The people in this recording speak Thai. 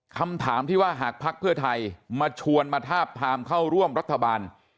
คำถามที่ว่าหากภักดิ์เพื่อไทยมาชวนมาทาบทามเข้าร่วมรัฐบาล